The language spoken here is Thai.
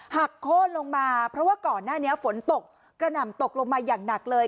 โค้นลงมาเพราะว่าก่อนหน้านี้ฝนตกกระหน่ำตกลงมาอย่างหนักเลย